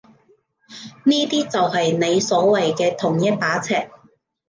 呢啲就係你所謂嘅同一把尺？